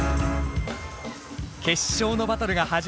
決勝のバトルが始まりました。